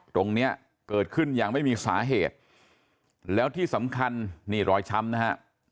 ตรงนี้เกิดขึ้นอย่างไม่มีสาเหตุแล้วที่สำคัญนี่รอยช้ำนะฮะ